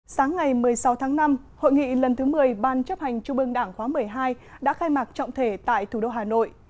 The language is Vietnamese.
sáng ngày một mươi sáu tháng năm hội nghị lần thứ một mươi ban chấp hành trung ương đảng khóa một mươi hai đã khai mạc trọng thể tại thủ đô hà nội